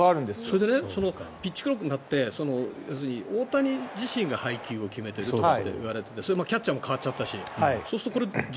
それでピッチクロックになって大谷自身が配球を決めているといわれていてキャッチャーも代わっちゃったし。